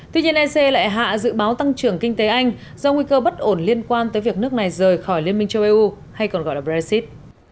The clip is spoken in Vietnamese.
tuy nhiên ec lại hạ dự báo tăng trưởng kinh tế anh do nguy cơ bất ổn liên quan tới việc nước này rời khỏi liên minh châu âu hay còn gọi là brexit